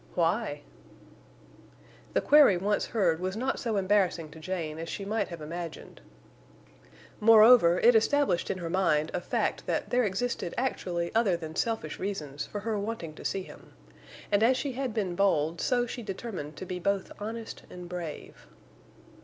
"Why?" The query once heard was not so embarrassing to Jane as she might have imagined. Moreover, it established in her mind a fact that there existed actually other than selfish reasons for her wanting to see him. And as she had been bold, so she determined to be both honest and brave.